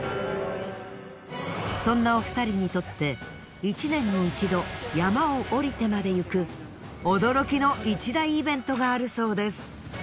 そんなお二人にとって１年に一度山を下りてまで行く驚きの一大イベントがあるそうです。